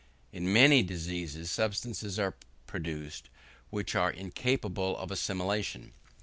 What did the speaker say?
In many diseases substances are produced which are incapable of assimilation.